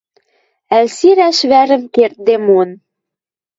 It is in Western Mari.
Ӓль сирӓш вӓрӹм кердде мон.